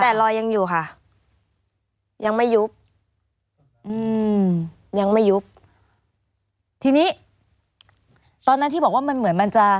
แต่รอยยังอยู่ค่ะยังไม่ยุบอืมยังไม่ยุบทีนี้ตอนนั้นที่บอกว่ามันเหมือนมันจะ